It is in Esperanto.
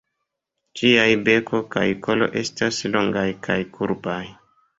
Ĝiaj beko kaj kolo estas longaj kaj kurbaj.